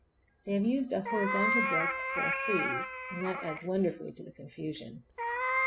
They have used a horizontal breadth for a frieze, and that adds wonderfully to the confusion.